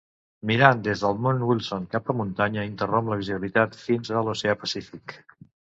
Mirant des del Mont Wilson cap muntanya interromp la visibilitat fins a l'Oceà Pacífic.